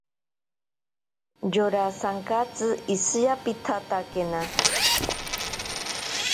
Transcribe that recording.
Yora sankatsi ishiyapitsatakena.